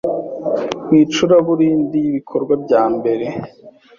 mu icuraburindi nyuma y’ibikorwa bya mbere